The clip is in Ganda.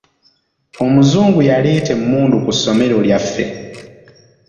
Omuzungu yaleeta emmundu ku ssomero lyaffe.